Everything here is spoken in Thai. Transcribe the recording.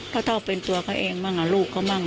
ก็ต้องเป็นตัวเขาเองบ้างลูกก็บ้าง